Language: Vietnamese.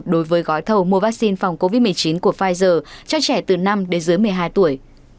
đối với gói thầu mua vaccine phòng covid một mươi chín của pfizer cho trẻ từ năm đến dưới một mươi hai tuổi